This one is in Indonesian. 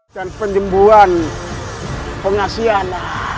dan penyembuhan pengasian